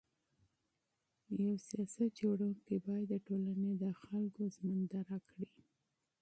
یو سیاست جوړونکی باید د ټولني د خلکو ژوند درک کړي.